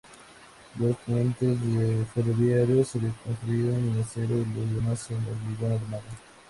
Los puentes ferroviarios se construyeron en acero y los demás en hormigón armado.